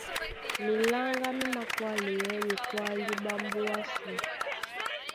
Miláŋgá mí mākwáleyɛɛ́ ɓekwálí ɓá mbóa ásū.